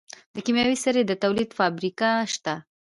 د کیمیاوي سرې د تولید فابریکه شته.